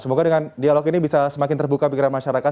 semoga dengan dialog ini bisa semakin terbuka pikiran masyarakat